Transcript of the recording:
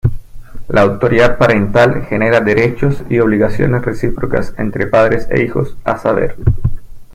La autoridad parental genera derechos y obligaciones recíprocas entre padres e hijos, a saber